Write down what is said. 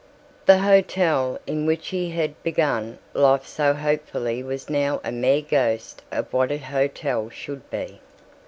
The hotel in which he had begun life so hopefully was now a mere ghost of what a hotel should be.